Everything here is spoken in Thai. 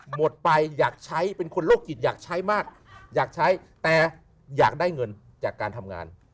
หมดไปอยากใช้เป็นคนโรคจิตอยากใช้มากอยากใช้แต่อยากได้เงินจากการทำงาน